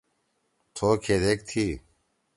تھو کھیدیک تھی؟